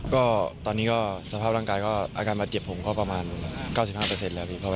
ก็ตอนนี้ก็สภาพร่างกายก็อาการบาดเจ็บผมก็ประมาณ๙๕แล้วพี่